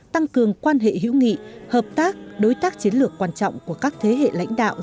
tăng cường quan hệ hữu nghị hợp tác đối tác chiến lược quan trọng của các thế hệ lãnh đạo